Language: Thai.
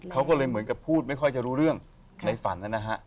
เขาก็เลยเหมือนกับพูดไม่ค่อยจะรู้เรื่องในฝันนะฮะ